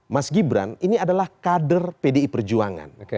mas gibran ini adalah kader pdi perjuangan